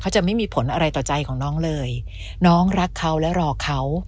จะไม่มีผลอะไรต่อใจของน้องเลยน้องรักเขาและรอเขา